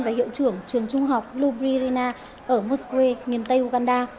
và hiệu trưởng trường trung học lubri rina ở moskwe miền tây uganda